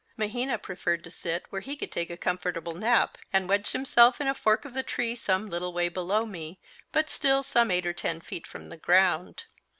Mahina preferred to sit where he could take a comfortable nap, and wedged himself in a fork of the tree some little way below me, but still some eight or ten feet from the ground.